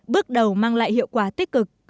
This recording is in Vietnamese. bước đầu mang lại hiệu quả tích cực